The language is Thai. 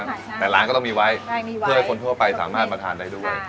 แต่ร้านก็ต้องมีไว้ใช่มีไว้เพื่อให้คนทั่วไปสามารถมาทานได้ด้วย